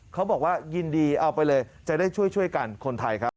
เขาบอกว่ายินดีเอาไปเลยจะได้ช่วยกันคนไทยครับ